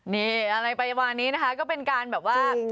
นี่อะไรประมาณนี้นะคะก็เป็นการแบบว่า